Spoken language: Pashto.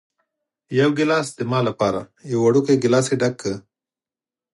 یو ګېلاس زما لپاره، یو وړوکی ګېلاس یې ډک کړ.